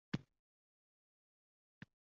Mana shu ayol hurmati uchun